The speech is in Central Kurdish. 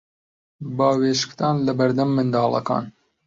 باوێشکدان لە بەردەم منداڵەکان